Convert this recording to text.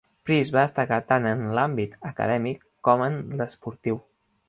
Price va destacar tant en l'àmbit acadèmic com en l'esportiu.